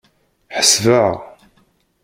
Ḥesbeɣ.